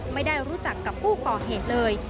ไม่ได้รู้จักกับผู้ก่อเหตุเลย